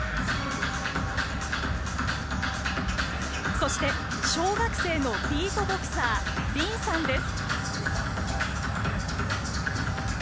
そして小学生のビートボクサー ＲＩＮ さんです。